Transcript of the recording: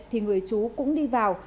thì người chú cũng đi vào